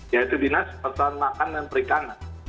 yaitu dinas peternakan dan perikanan